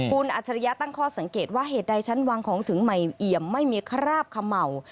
คุณอัจฉริยะตั้งข้อสังเกตว่าเหตุใดฉันวางของถึงใหม่เอี่ยมไม่มีคราบเขม่า